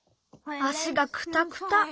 あしがくたくた。